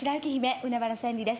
海原千里です。